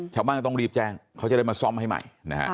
ชาวบ้านก็ต้องรีบแจ้งเขาจะได้มาซ่อมให้ใหม่นะฮะ